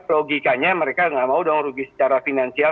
logikanya mereka nggak mau dong rugi secara finansial